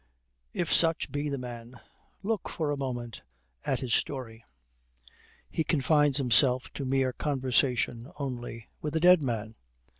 If such be the man, look for a moment at his story. He confines himself to mere conversation only, with a dead man!